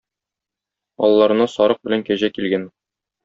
Алларына Сарык белән Кәҗә килгән